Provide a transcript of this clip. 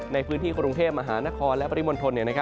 ในพื้นที่กรุงเทพมหานครและปริมณฑล